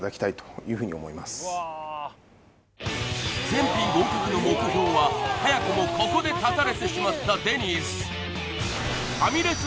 全品合格の目標は早くもここで絶たれてしまったデニーズファミレス